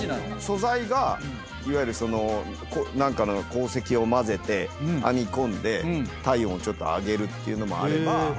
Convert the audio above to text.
素材がいわゆる何かの鉱石を混ぜて編み込んで体温をちょっと上げるっていうのもあれば。